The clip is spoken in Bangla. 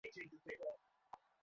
বসন্ত রায় বিষম অস্থির হইয়া উঠিলেন।